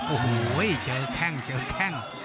โอ้โหเจอแข้ง